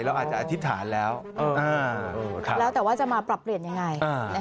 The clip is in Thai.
เราอาจจะอธิษฐานแล้วแล้วแต่ว่าจะมาปรับเปลี่ยนยังไง